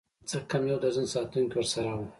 څه کم يو درجن ساتونکي ورسره وو.